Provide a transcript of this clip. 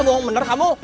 bohong bener kamu